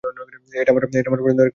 এটা আমার পছন্দের একটা সিনেমা।